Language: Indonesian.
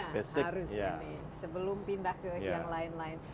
harus ini sebelum pindah ke yang lain lain